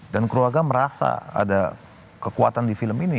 dan keluarga merasa ada kekuatan di film ini